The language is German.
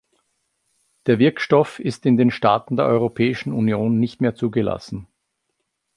Der Wirkstoff ist in den Staaten der Europäischen Union nicht mehr zugelassen.